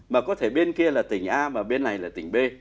mà có thể bên kia là tỉnh a mà bên này là tỉnh b